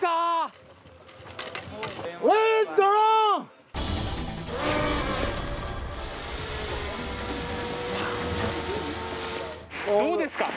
どうですか？